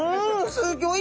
すギョい